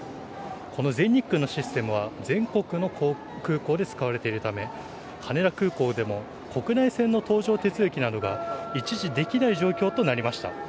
この全日空のシステムは全国の空港で使われているため羽田空港でも国内線の搭乗手続きなどが一時できない状況となりました。